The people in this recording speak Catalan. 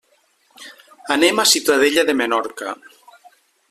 Anem a Ciutadella de Menorca.